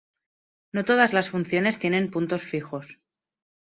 No todas las funciones tienen puntos fijos.